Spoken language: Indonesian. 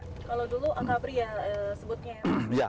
kalau dulu angka beri ya sebutnya ya pak